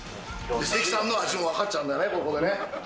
関さんの味も分かっちゃうんだね、ここがね。